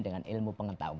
dengan ilmu pengetahuan